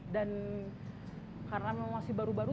dan karena masih baru baru